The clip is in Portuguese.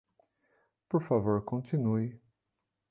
Por favor continue.